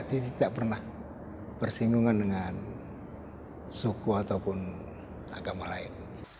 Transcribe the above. jadi tidak pernah bersinggungan dengan suku ataupun agama lain